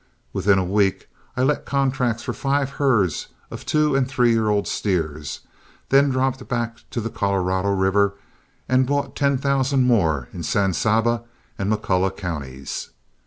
Within a week I let contracts for five herds of two and three year old steers, then dropped back to the Colorado River and bought ten thousand more in San Saba and McCulloch counties.